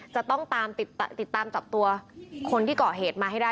จะต้องติดตามจับตัวคนที่เกาะเหตุมาให้ได้